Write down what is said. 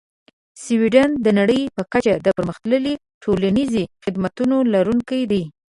سویدن د نړۍ په کچه د پرمختللې ټولنیزې خدمتونو لرونکی دی.